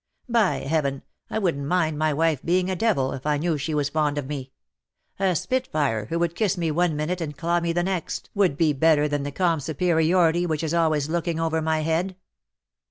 By Heaven, I wouldn^t mind my wife being a devil, if I knew she was fond of me. A spitfire, who would kiss me one minute and claw me the next. 170 ^^AND PALE FROM THE PAST would be better than the calm superiority which is always looking over my head."